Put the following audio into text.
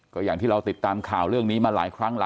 ก็อย่างที่เราติดตามข่าวเรื่องนี้มาหลายครั้ง